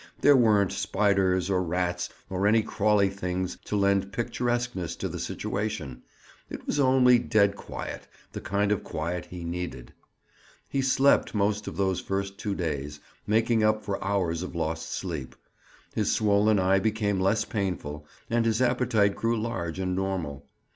There weren't spiders, or rats, or any crawly things to lend picturesqueness to the situation. It was only deadly quiet—the kind of quiet he needed. He slept most of those first two days, making up for hours of lost sleep. His swollen eye became less painful and his appetite grew large and normal.